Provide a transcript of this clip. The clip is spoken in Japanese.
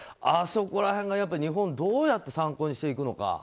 あそこら辺が日本、どうやって参考にしていくのか。